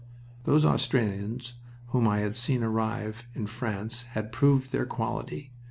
Those Australians whom I had seen arrive in France had proved their quality.